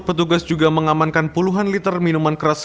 petugas juga mengamankan puluhan liter minuman keras